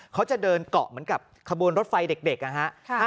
เขาจะเดินเกาะเหมือนกับขบวนรถไฟเด็กนะฮะ